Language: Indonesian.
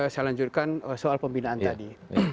saya lanjutkan soal pembinaan tadi